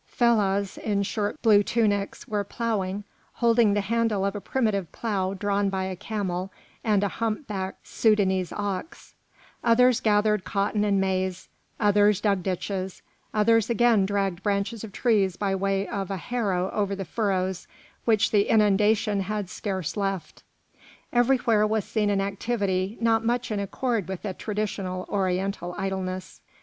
Fellahs in short blue tunics were ploughing, holding the handle of a primitive plough drawn by a camel and a humpbacked Soudanese ox; others gathered cotton and maize; others dug ditches; others again dragged branches of trees by way of a harrow over the furrows which the inundation had scarce left. Everywhere was seen an activity not much in accord with the traditional Oriental idleness.